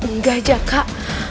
enggak aja kak